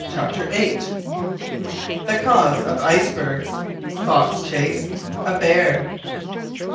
CHAPTER EIGHT. THE CAUSE OF ICE BERGS FOX CHASE A BEAR.